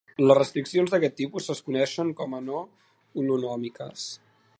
Les restriccions d'aquest tipus es coneixen com a no-holonòmiques.